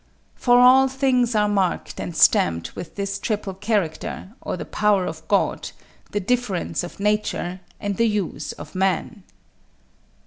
For all things are marked and stamped with this triple character, of the power of God, the difference of nature, and the use of man.